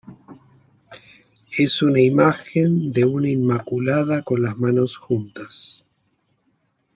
Es una imagen de una inmaculada con las manos juntas.